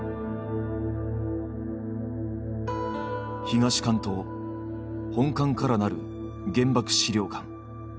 東館と本館からなる原爆資料館。